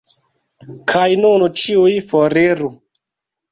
Kaj nun ĉiuj foriru.